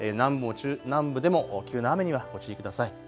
南部でも急な雨にはご注意ください。